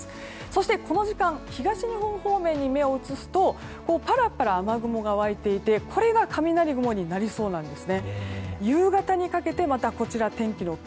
そして、この時間東日本方面に目を移すとパラパラ雨雲が湧いていてこれが雷雲になりそうです。